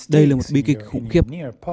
đây là một bí kịch khủng khiếp